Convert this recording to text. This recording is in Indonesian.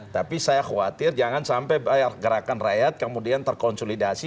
tapi saya khawatir jangan sampai gerakan rakyat kemudian terkonsolidasi